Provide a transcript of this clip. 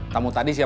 tamu tadi siapa